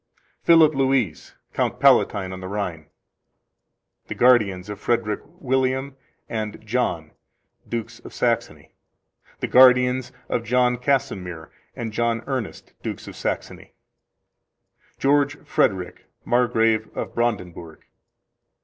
Philip Louis, Count Palatine on the Rhine. The guardians of Frederick William and John, Dukes of Saxony. The guardians of John Casimir and John Ernest, Dukes of Saxony. George Frederick, Margrave of Brandenburg.